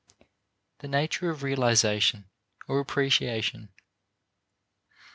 The Nature of Realization or Appreciation.